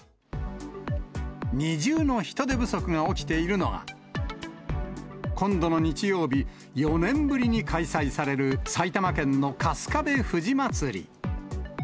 二重の人手不足が起きているのが、今度の日曜日、４年ぶりに開催される埼玉県の春日部藤まつり。